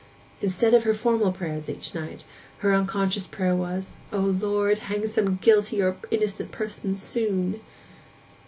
Instead of her formal prayers each night, her unconscious prayer was, 'O Lord, hang some guilty or innocent person soon!